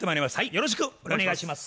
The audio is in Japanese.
よろしくお願いします。